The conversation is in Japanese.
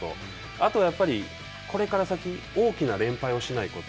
あとやっぱりこれから先、大きな連敗をしないこと。